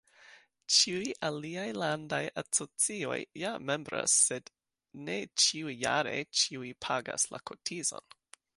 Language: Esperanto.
Ĉiuj aliaj landaj asocioj ja membras sed ne ĉiujare ĉiuj pagas la kotizon.